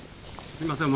すみません。